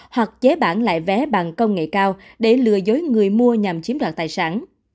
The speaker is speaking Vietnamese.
hoặc chế bản lại vé bằng công nghệ cao để lừa dối người mua nhằm chiếm đoạt tài sản